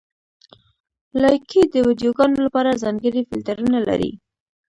لایکي د ویډیوګانو لپاره ځانګړي فېلټرونه لري.